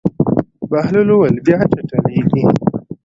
بهلول وویل: بیا چټلېږي.